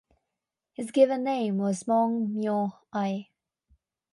His given name was Maung Myo Aye.